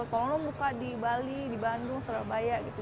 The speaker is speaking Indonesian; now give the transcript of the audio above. kalau lu buka di bali di bandung surabaya gitu